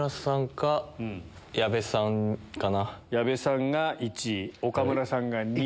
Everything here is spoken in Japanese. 矢部さんが１位岡村さんが２位。